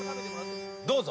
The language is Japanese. どうぞ。